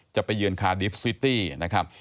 ไปเยือนคาดิฟซิตี้นะครับ